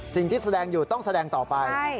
สิ่งที่แสดงอยู่ต้องแสดงต่อไป